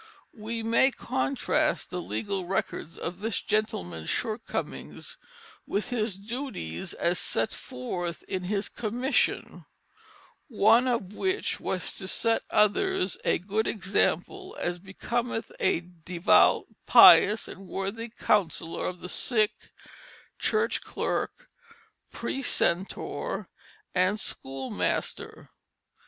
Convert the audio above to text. We may contrast the legal records of this gentleman's shortcomings with his duties as set forth in his commission, one of which was "to set others a good example as becometh a devout, pious, and worthy consoler of the sick, church clerk, precentor, and schoolmaster."